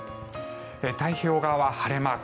太平洋側は晴れマーク。